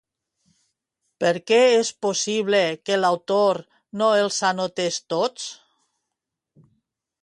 Per què és possible que l'autor no els anotés tots?